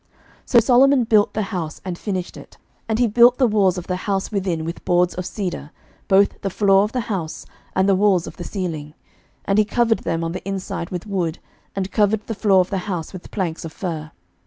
11:006:014 So Solomon built the house, and finished it. 11:006:015 And he built the walls of the house within with boards of cedar, both the floor of the house, and the walls of the ceiling: and he covered them on the inside with wood, and covered the floor of the house with planks of fir.